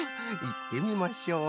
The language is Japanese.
いってみましょう。